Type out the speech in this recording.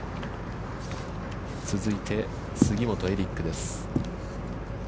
続いて杉本エリックです。